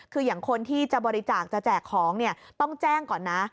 คืออย่างคนที่จะบริจาคจะแจกของเนี่ยต้องแจ้งก่อนนะ